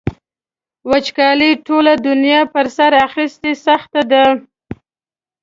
وچکالۍ ټوله دنیا په سر اخیستې سخته ده.